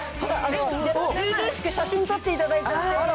図々しく写真撮っていただいたんですよ。